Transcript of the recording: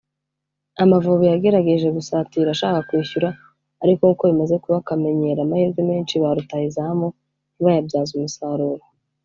Amavubi yagerageje gusatira ashaka kwishyura ariko nk’uko bimaze kuba kamenyero amahirwe menshi ba rutahizamu ntibayabyaze umusaruro